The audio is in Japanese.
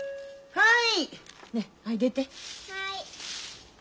はい。